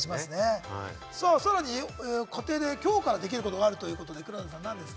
さらに、家庭で今日からできることがあるということですね、黒田さん。